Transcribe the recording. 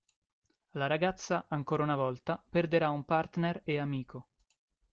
La ragazza, ancora una volta, perderà un partner e amico.